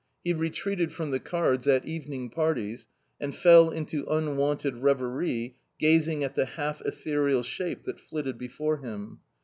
He retreated from the cards at evening parties and fell into unwonted reverie gazing at the half ethereal shape that flitted before him.